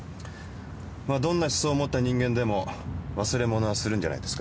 まあどんな思想を持った人間でも忘れ物はするんじゃないですか？